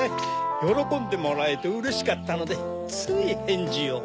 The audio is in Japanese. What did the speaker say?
よろこんでもらえてうれしかったのでついへんじを。